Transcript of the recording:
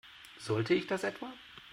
Sollte ich das etwa?